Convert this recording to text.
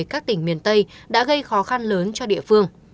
các tỉnh miền tây đã gây khó khăn lớn cho địa phương